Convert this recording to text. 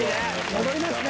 戻りますね。